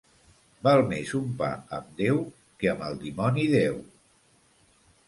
Val més un pa amb Déu que amb el dimoni deu.